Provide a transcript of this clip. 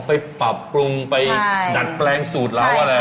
ไปปรับปรุงไปดัดแปลงสูตรเราอะไร